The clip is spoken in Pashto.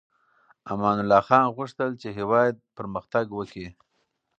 امان الله خان غوښتل چې هېواد پرمختګ وکړي.